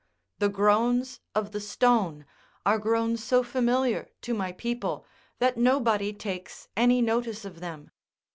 The groans of the stone are grown so familiar to my people, that nobody takes any notice of them.